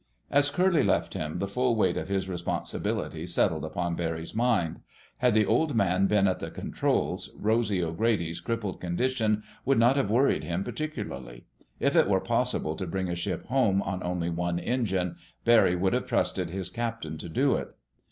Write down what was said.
As Curly left him, the full weight of his responsibility settled upon Barry's mind. Had the Old Man been at the controls, Rosy O'Grady's crippled condition would not have worried him particularly. If it were possible to bring a ship home on only one engine, Barry would have trusted his captain to do it.